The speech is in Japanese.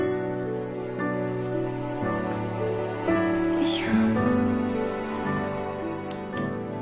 よいしょ。